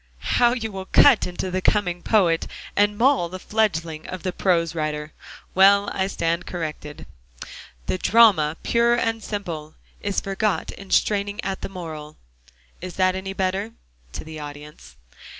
"How you will cut into the coming poet, and maul the fledgling of the prose writer! Well, I stand corrected. "'The drama pure and simple, Is forgot, in straining at the moral.'" "Is that any better?" (To the audience.)